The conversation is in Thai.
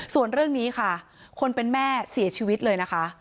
ส่วนเรื่องนี้ค่ะคนเป็นแม่เสียชีวิตเลยนะคะ